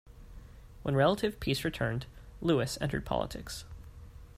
When relative peace returned, Lewis entered politics.